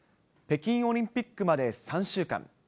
北京オリンピックまで３週間。